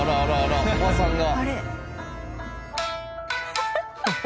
おばさんが。